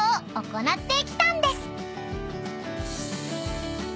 行ってきたんです］